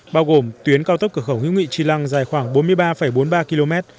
bao gồm tuyến cao tốc cửa khẩu hữu nghị tri lăng dài khoảng bốn mươi ba bốn mươi ba km